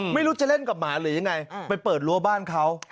ไม่รู้จะเล่นกับหมาหรือยังไงไปเปิดรั้วบ้านเขา